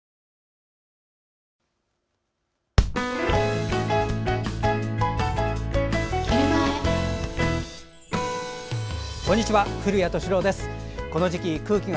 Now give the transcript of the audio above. こんにちは。